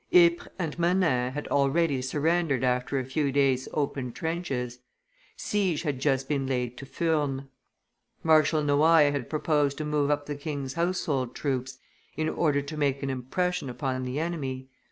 Ypres and Menin had already surrendered after a few days' open trenches; siege had just been laid to Furnes. Marshal Noailles had proposed to move up the king's household troops in order to make an impression upon the enemy.